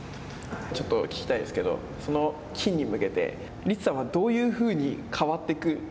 ちょっと聞きたいですけど、その金に向けてリツさんはどういうふうに変わっていく？